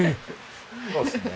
そうですね。